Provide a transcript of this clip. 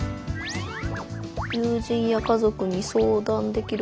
「友人や家族に相談できる」。